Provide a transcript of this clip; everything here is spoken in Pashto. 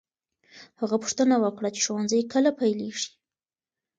هغه پوښتنه وکړه چې ښوونځی کله پیلېږي.